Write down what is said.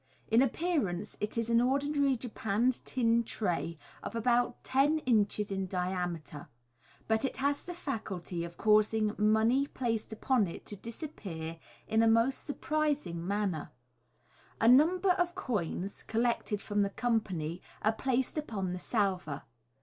In appearance it is an ordinary japanned tin tray, of about ten inches in diameter j but it has the faculty of causing money placed upon it to disappear in a most sur MODERN MAGIC. 409 prising manner. A number of coins, collected from the company, are placed upon the salver.